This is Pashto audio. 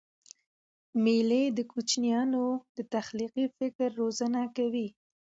مېلې د کوچنيانو د تخلیقي فکر روزنه کوي.